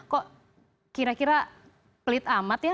kok kira kira pelit amat ya